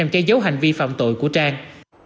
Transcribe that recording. cây dấu hành vi phạm tội của trang